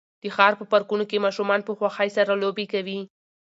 د ښار په پارکونو کې ماشومان په خوښۍ سره لوبې کوي.